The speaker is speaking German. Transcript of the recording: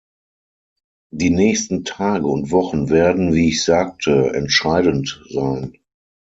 Die nächsten Tage und Wochen werden, wie ich sagte, entscheidend sein.